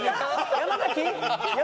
山崎？